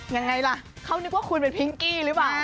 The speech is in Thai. ยังไงล่ะเขานึกว่าคุณเป็นพิงกี้หรือเปล่า